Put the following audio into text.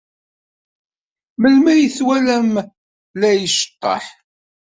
Melmi ay t-twalam la as-iceḍḍeḥ?